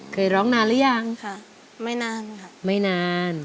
เคยร้องค่ะ